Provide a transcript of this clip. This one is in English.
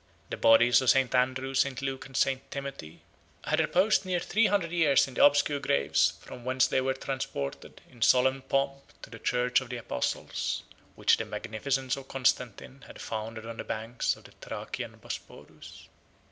The bodies of St. Andrew, St. Luke, and St. Timothy, had reposed near three hundred years in the obscure graves, from whence they were transported, in solemn pomp, to the church of the apostles, which the magnificence of Constantine had founded on the banks of the Thracian Bosphorus.